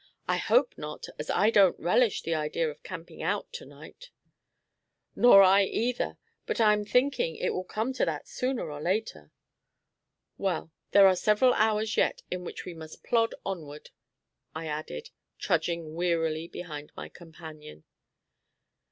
I hope not, as I don't relish the idea of camping out to night." "Nor I either; but I'm thinking it will come to that sooner or later." "Well, there are several hours yet, in which we must plod onward," I added, trudging wearily behind my companion.